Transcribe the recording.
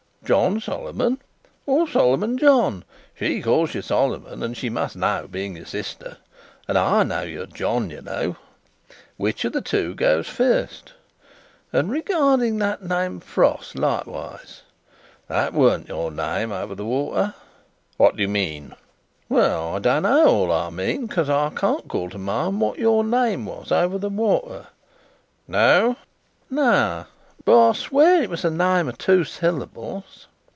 "John Solomon, or Solomon John? She calls you Solomon, and she must know, being your sister. And I know you're John, you know. Which of the two goes first? And regarding that name of Pross, likewise. That warn't your name over the water." "What do you mean?" "Well, I don't know all I mean, for I can't call to mind what your name was, over the water." "No?" "No. But I'll swear it was a name of two syllables."